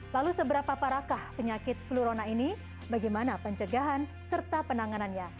lalu seberapa parakah penyakit flurona ini bagaimana pencegahan serta penanganannya